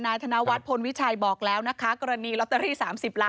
ธนวัฒนพลวิชัยบอกแล้วนะคะกรณีลอตเตอรี่๓๐ล้าน